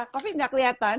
covid nggak kelihatan